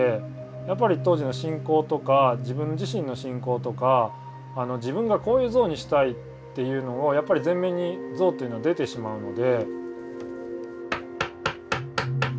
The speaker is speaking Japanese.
やっぱり当時の信仰とか自分自身の信仰とか自分がこういう像にしたいっていうのをやっぱり全面に像というのは出てしまうので。